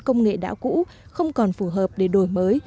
công nghệ đã cũ không còn phù hợp để đổi mới